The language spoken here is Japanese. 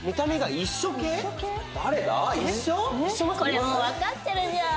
これもうわかってるじゃん！